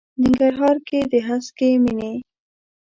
ننګرهار کې د هسکې مېنې.